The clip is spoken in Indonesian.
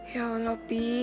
ya allah bi